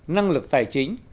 năng lực tài chính